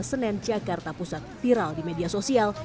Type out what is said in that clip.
senen jakarta pusat viral di media sosial